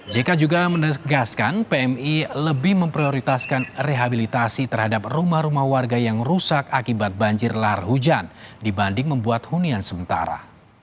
jk juga menegaskan pmi lebih memprioritaskan rehabilitasi terhadap rumah rumah warga yang rusak akibat banjir lahar hujan dibanding membuat hunian sementara